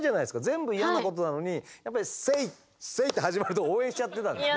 全部嫌なことなのにやっぱり「セイセイ」って始まると応援しちゃってたんですね。